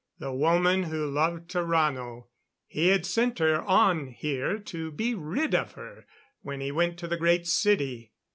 The woman who loved Tarrano; he had sent her on here to be rid of her, when he went to the Great City.